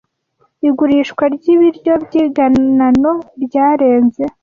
Igurishwa ryibiryo byiganano ryarenze